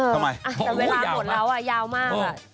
ทำไมแต่เวลาหมดแล้วยาวมาก